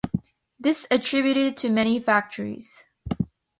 This attributed to many factories.